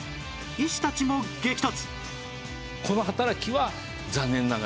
医師たちも激突！